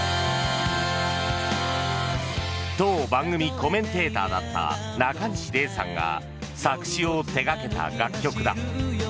当番組コメンテーターだったなかにし礼さんが作詞を手掛けた楽曲だ。